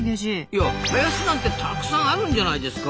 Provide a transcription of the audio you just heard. いや林なんてたくさんあるんじゃないですか？